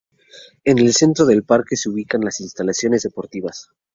En el centro del parque se ubican las instalaciones deportivas.